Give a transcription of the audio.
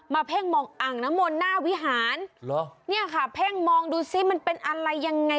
เพ่งมองอ่างน้ำมนต์หน้าวิหารเนี่ยค่ะเพ่งมองดูซิมันเป็นอะไรยังไง